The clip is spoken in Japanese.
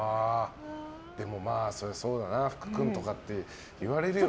でも、そりゃそうだな福君とかって言われるよね。